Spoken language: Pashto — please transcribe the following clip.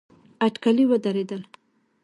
اټکلي ودرېدل.